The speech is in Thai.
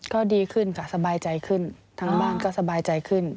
ก็ดีขึ้นค่ะสบายใจขึ้นทั้งบ้านก็สบายใจขึ้น